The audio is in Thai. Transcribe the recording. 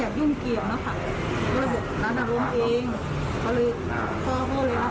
เขาเลยพ่อเขาเลยนัดตัวกลับบ้านอ๋อจ้ะ